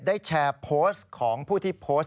ได้แชร์โพสต์ของผู้ที่โพสต์